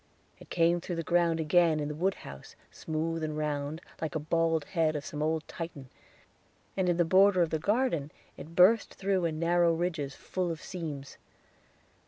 It came through the ground again in the woodhouse, smooth and round, like the bald head of some old Titan, and in the border of the garden it burst through in narrow ridges full of seams.